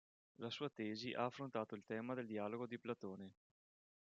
La sua tesi ha affrontato il tema del dialogo di Platone.